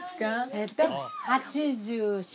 えっ８４？